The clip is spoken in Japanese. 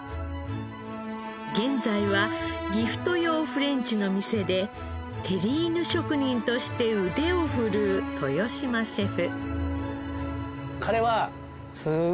現在はギフト用フレンチの店でテリーヌ職人として腕を振るう豊嶋シェフ。